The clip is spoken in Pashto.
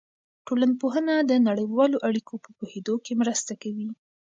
ټولنپوهنه د نړیوالو اړیکو په پوهېدو کې مرسته کوي.